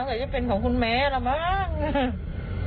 ต้องจะเป็นของคุณแม๊ระบ้าง